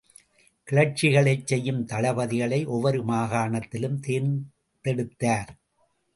கிளர்ச்சிகளைச் செய்யும் தளபதிகளை ஒவ்வொரு மாகாணத்திலும் தேர்ந்தெடுத்தார்.